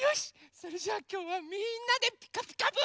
それじゃあきょうはみんなで「ピカピカブ！」。